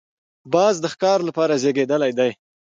باز د ښکار لپاره زېږېدلی دی